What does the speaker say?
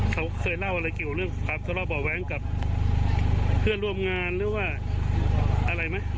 เขาเคยเล่าอะไรเกี่ยวเรื่องความทะเลาะเบาะแว้งกับเพื่อนร่วมงานหรือว่าอะไรไหม